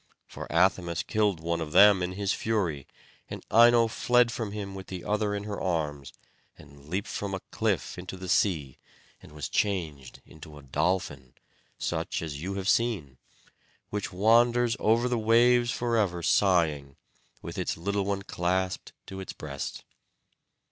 For Athamas killed one of them in his fury, and Ino fled from him with the other in her arms, and leaped from a cliff into the sea, and was changed into a dolphin, such as you have seen, which wanders over the waves forever sighing, with its little one clasped to its breast.